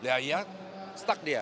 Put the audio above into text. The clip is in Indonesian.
ya iya stuck dia